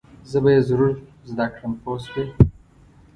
زه به یې ضرور زده کړم پوه شوې!.